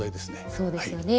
そうですよね。